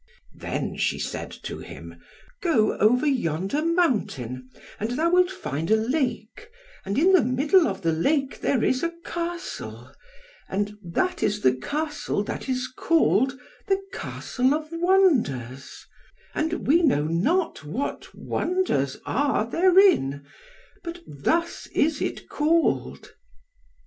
Then she said to him, "Go over yonder mountain, and thou wilt find a Lake, and in the middle of the Lake there is a Castle, and that is the Castle that is called the Castle of Wonders; and we know not what wonders are therein, but thus is it called."